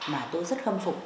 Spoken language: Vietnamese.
mà tôi rất khâm phục